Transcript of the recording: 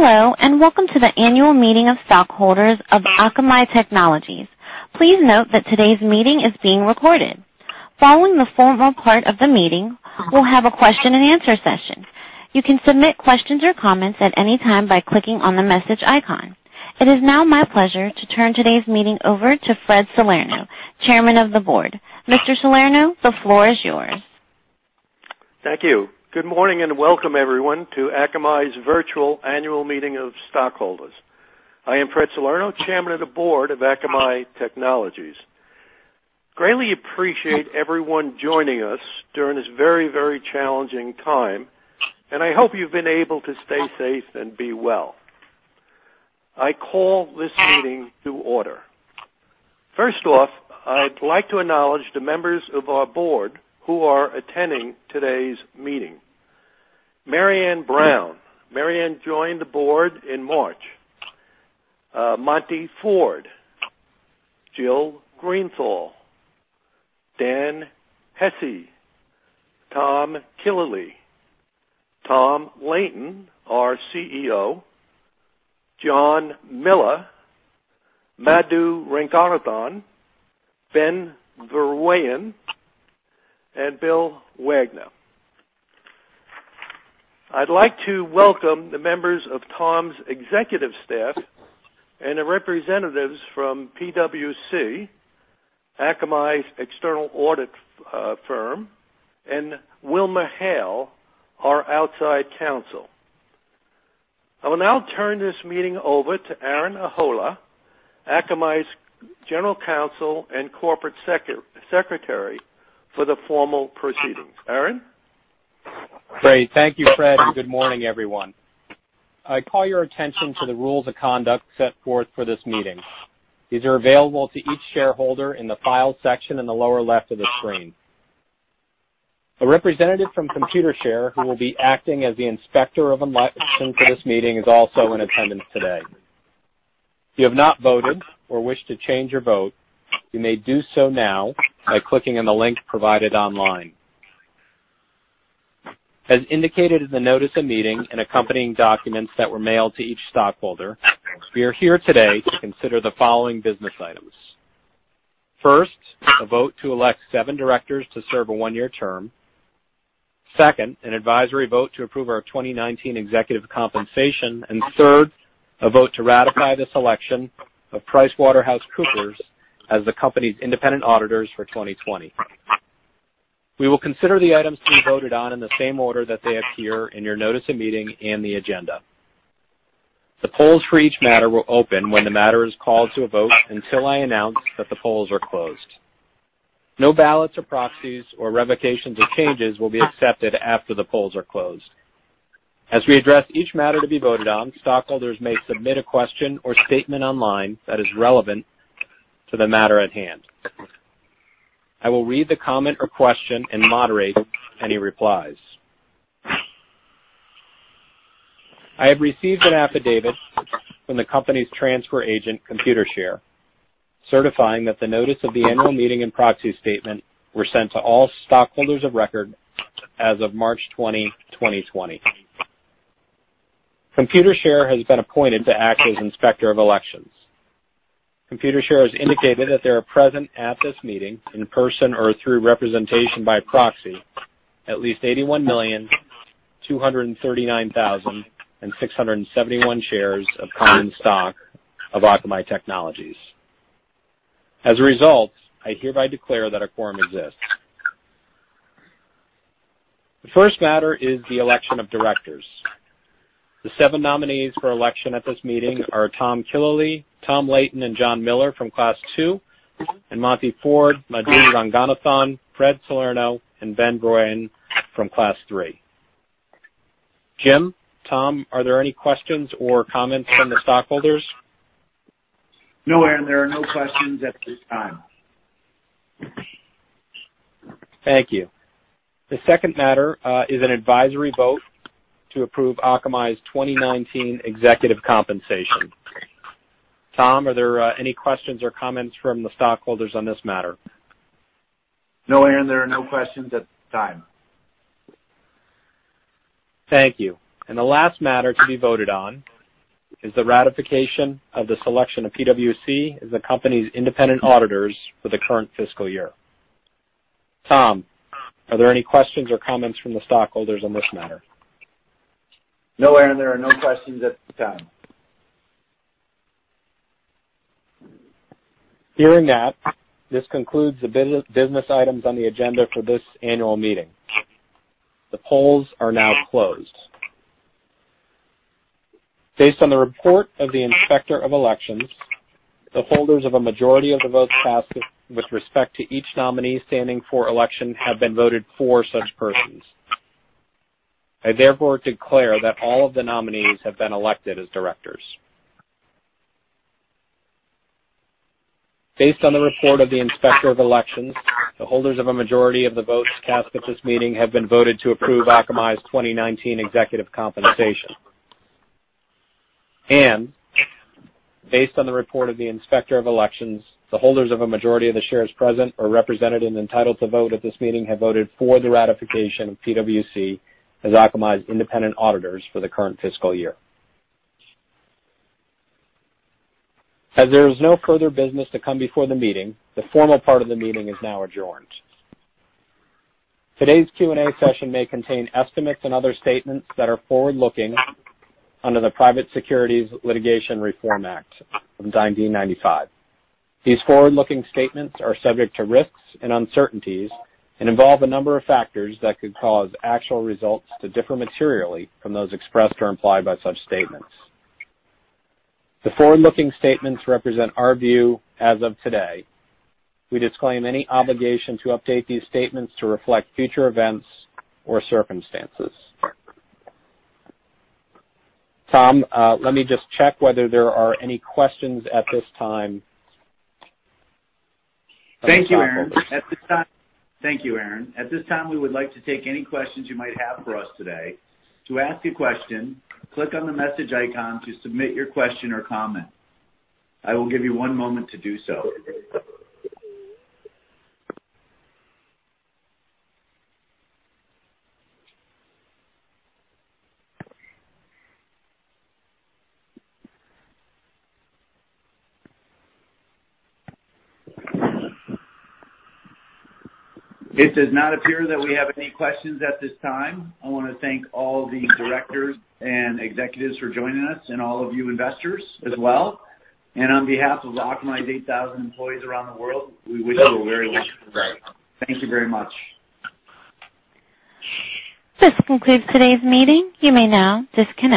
Hello, welcome to the annual meeting of stockholders of Akamai Technologies. Please note that today's meeting is being recorded. Following the formal part of the meeting, we'll have a question and answer session. You can submit questions or comments at any time by clicking on the message icon. It is now my pleasure to turn today's meeting over to Fred Salerno, Chairman of the Board. Mr. Salerno, the floor is yours. Thank you. Good morning and welcome, everyone, to Akamai's virtual annual meeting of stockholders. I am Fred Salerno, chairman of the board of Akamai Technologies. Greatly appreciate everyone joining us during this very challenging time, and I hope you've been able to stay safe and be well. I call this meeting to order. First off, I'd like to acknowledge the members of our board who are attending today's meeting. Marianne Brown. Marianne joined the board in March. Monte Ford, Jill Greenthal, Dan Hesse, Tom Killalea, Tom Leighton, our CEO, John Miller, Madhu Ranganathan, Ben Verwaayen, and Bill Wagner. I'd like to welcome the members of Tom's executive staff and the representatives from PwC, Akamai's external audit firm, and WilmerHale, our outside counsel. I will now turn this meeting over to Aaron Ahola, Akamai's General Counsel and Corporate Secretary, for the formal proceedings. Aaron? Great. Thank you, Fred, and good morning, everyone. I call your attention to the rules of conduct set forth for this meeting. These are available to each shareholder in the Files section in the lower left of the screen. A representative from Computershare, who will be acting as the inspector of election for this meeting, is also in attendance today. If you have not voted or wish to change your vote, you may do so now by clicking on the link provided online. As indicated in the notice of meeting and accompanying documents that were mailed to each stockholder, we are here today to consider the following business items. First, a vote to elect seven directors to serve a one-year term. Second, an advisory vote to approve our 2019 executive compensation. Third, a vote to ratify the selection of PricewaterhouseCoopers as the company's independent auditors for 2020. We will consider the items to be voted on in the same order that they appear in your notice of meeting and the agenda. The polls for each matter will open when the matter is called to a vote until I announce that the polls are closed. No ballots or proxies or revocations or changes will be accepted after the polls are closed. As we address each matter to be voted on, stockholders may submit a question or statement online that is relevant to the matter at hand. I will read the comment or question and moderate any replies. I have received an affidavit from the company's transfer agent, Computershare, certifying that the notice of the annual meeting and proxy statement were sent to all stockholders of record as of March 20, 2020. Computershare has been appointed to act as inspector of elections. Computershare has indicated that they are present at this meeting in person or through representation by proxy, at least 81,239,671 shares of common stock of Akamai Technologies. As a result, I hereby declare that a quorum exists. The first matter is the election of directors. The seven nominees for election at this meeting are Tom Killalea, Tom Leighton, and Jonathan Miller from Class 2, and Monte Ford, Madhu Ranganathan, Fred Salerno, and Ben Verwaayen from Class 3. Jim, Tom, are there any questions or comments from the stockholders? No, Aaron, there are no questions at this time. Thank you. The second matter is an advisory vote to approve Akamai's 2019 executive compensation. Tom, are there any questions or comments from the stockholders on this matter? No, Aaron, there are no questions at this time. Thank you. The last matter to be voted on is the ratification of the selection of PwC as the company's independent auditors for the current fiscal year. Tom, are there any questions or comments from the stockholders on this matter? No, Aaron, there are no questions at this time. Hearing that, this concludes the business items on the agenda for this annual meeting. The polls are now closed. Based on the report of the inspector of elections, the holders of a majority of the votes cast with respect to each nominee standing for election have been voted for such persons. I therefore declare that all of the nominees have been elected as directors. Based on the report of the inspector of elections, the holders of a majority of the votes cast at this meeting have been voted to approve Akamai's 2019 executive compensation. Based on the report of the inspector of elections, the holders of a majority of the shares present or represented and entitled to vote at this meeting have voted for the ratification of PwC as Akamai's independent auditors for the current fiscal year. As there is no further business to come before the meeting, the formal part of the meeting is now adjourned. Today's Q&A session may contain estimates and other statements that are forward-looking under the Private Securities Litigation Reform Act from 1995. These forward-looking statements are subject to risks and uncertainties and involve a number of factors that could cause actual results to differ materially from those expressed or implied by such statements. The forward-looking statements represent our view as of today. We disclaim any obligation to update these statements to reflect future events or circumstances. Tom, let me just check whether there are any questions at this time. Thank you, Aaron. At this time, we would like to take any questions you might have for us today. To ask a question, click on the message icon to submit your question or comment. I will give you one moment to do so. It does not appear that we have any questions at this time. I want to thank all the directors and executives for joining us and all of you investors as well. On behalf of Akamai's 8,000 employees around the world, we wish you a very wonderful day. Thank you very much. This concludes today's meeting. You may now disconnect.